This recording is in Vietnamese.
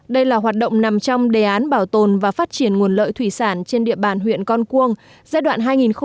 đây là hoạt động nằm trong đề án bảo tồn và phát triển nguồn lợi thủy sản trên địa bàn huyện con cuông giai đoạn hai nghìn một mươi sáu hai nghìn hai mươi